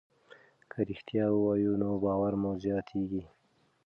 که رښتیا ووایو نو باور مو زیاتېږي.